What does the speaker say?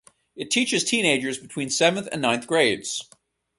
It teaches teenagers between seventh and ninth grades.